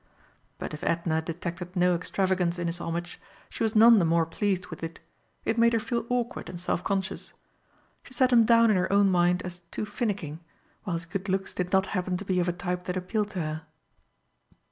But if Edna detected no extravagance in his homage, she was none the more pleased with it. It made her feel awkward and self conscious. She set him down in her own mind as "too finicking," while his good looks did not happen to be of a type that appealed to her.